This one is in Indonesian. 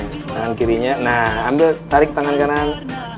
tangan kirinya nah ambil tarik tangan kanan